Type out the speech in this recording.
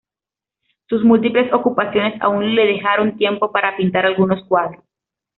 Sus múltiples ocupaciones aún le dejaron tiempo para pintar algunos cuadros.